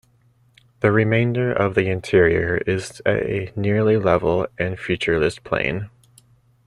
The remainder of the interior is a nearly level and featureless plain.